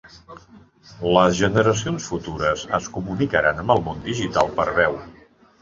Les generacions futures es comunicaran amb el món digital per veu.